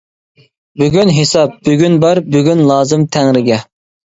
بۈگۈن ھېساب، بۈگۈن بار، بۈگۈن لازىم تەڭرىگە.